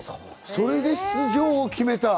それで出場を決めた。